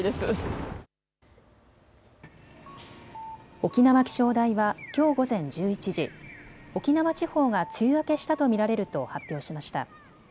沖縄気象台はきょう午前１１時、沖縄地方が梅雨明けしたと見られると発表しました。